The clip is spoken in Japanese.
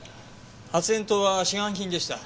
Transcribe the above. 発煙筒は市販品でした。